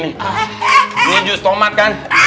ini jus tomat kan